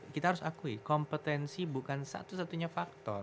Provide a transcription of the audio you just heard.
kita harus akui kompetensi bukan satu satunya faktor